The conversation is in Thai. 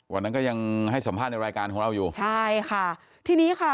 วันนั้นก็ยังให้สัมภาษณ์ในรายการของเราอยู่ใช่ค่ะทีนี้ค่ะ